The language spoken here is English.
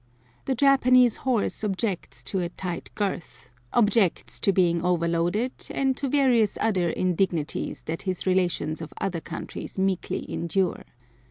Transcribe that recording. The Japanese horse objects to a tight girth, objects to being overloaded, and to various other indignities that his relations of other countries meekly endure.